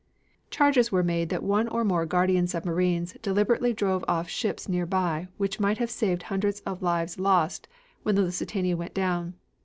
Charges were made that one or more guardian submarines deliberately drove off ships nearby which might have saved hundreds of lives lost when the Lusitania went down.